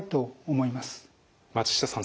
松下さん